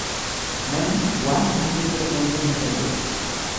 Namni waan hin jirre uumuu hin danda'u.